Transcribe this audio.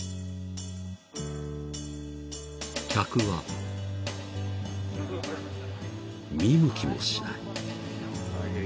［客は見向きもしない］